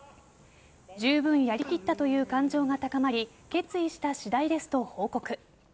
じゅうぶんやりきったという感情が高まり決意した次第ですと報告。